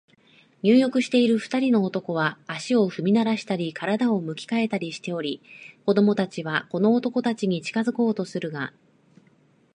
入浴している二人の男は、足を踏みならしたり、身体を向き変えたりしており、子供たちはこの男たちに近づこうとするが、